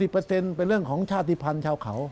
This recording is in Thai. เป็นเรื่องของชาติภัณฑ์ชาวเขา